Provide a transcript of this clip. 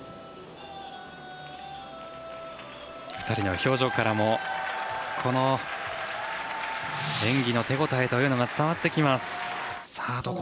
２人の表情からもこの演技の手応えというのが伝わってきます。